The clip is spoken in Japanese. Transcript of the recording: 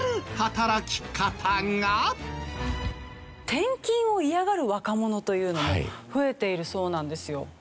転勤を嫌がる若者というのも増えているそうなんですよ。